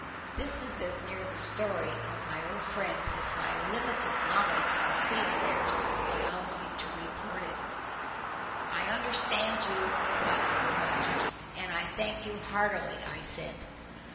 This is as near the story of my old friend as my limited knowledge of sea affairs allows me to report it. "I understand you quite, Old Rogers, and I thank you heartily," I said.